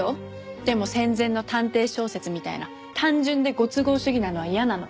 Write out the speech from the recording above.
でも戦前の探偵小説みたいな単純でご都合主義なのは嫌なの。